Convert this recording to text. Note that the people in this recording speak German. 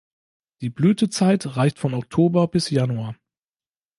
Die Blütezeit reicht von Oktober bis Januar.